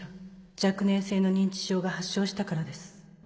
若年性の認知症が発症したからです